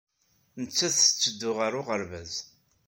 Nettat tetteddu ɣer uɣerbaz.